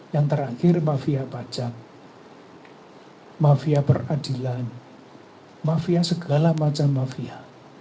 yang terakhir mafia pajak mafia peradilan mafia segala macam mafia